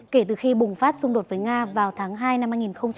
kể từ khi bùng phát xung đột với nga vào tháng hai năm hai nghìn hai mươi hai